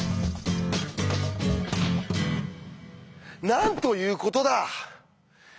なんということだ！